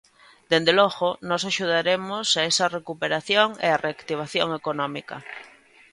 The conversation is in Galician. Dende logo, nós axudaremos a esa recuperación e á reactivación económica.